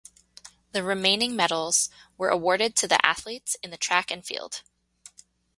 The remaining medals were awarded to the athletes in the track and field.